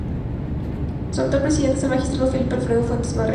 Su actual presidente es el magistrado Felipe Alfredo Fuentes Barrera.